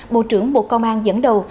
bộ trưởng bộ công an dẫn đầu